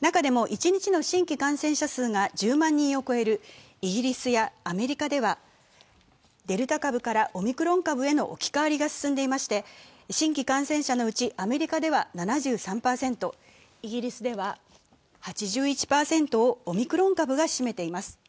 中でも一日の新規感染者数が１０万人を超えるイギリスやアメリカでは、デルタ株からオミクロン株への置き換わりが進んでいまして新規感染者のうちアメリカでは７３％、イギリスでは８１％をオミクロン株が占めています。